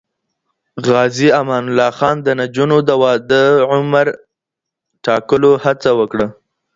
غازي امان الله خان د نجونو د واده عمر ټاکلو هڅه وکړه.